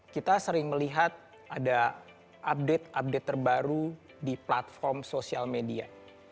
kita sering melihat ada update update terbaru di platform sosial media